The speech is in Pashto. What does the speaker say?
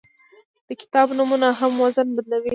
د کتاب نومونه هم وزن بدلوي.